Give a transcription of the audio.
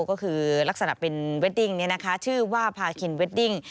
ก็คือลักษณะเป็นเวดดิ่งเนี้ยนะคะชื่อว่าพาคิณเวดดิ่ง